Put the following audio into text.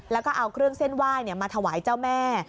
แล้วก็เอาเครื่องเส้นไหว้มาถวายเจ้าแม่